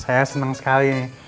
saya seneng sekali